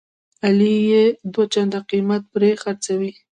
علي یې دوه چنده قیمت پرې خرڅوي.